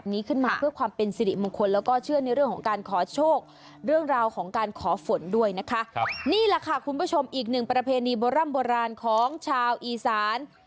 นี่แหละค่ะคุณผู้ชมอีกหนึ่งประเพณีโบราณของชาวอีซาน